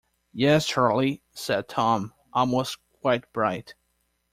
"Yes, Charley," said Tom, "almost quite bright."